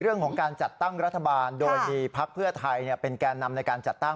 เรื่องของการจัดตั้งรัฐบาลโดยมีพักเพื่อไทยเป็นแก่นำในการจัดตั้ง